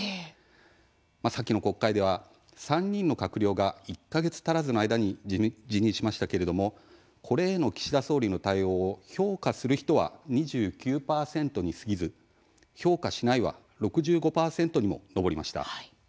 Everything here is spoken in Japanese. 先の国会では３人の閣僚が１か月足らずの間に辞任しましたけれどもこれへの岸田総理の対応を評価する人は２９％にすぎず評価しないは６５％にも上りました。